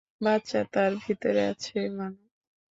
বাচ্চা তার ভিতরে আছে, ভানু।